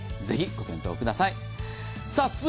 ぜひご検討ください。